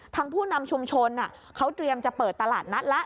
ผู้นำชุมชนเขาเตรียมจะเปิดตลาดนัดแล้ว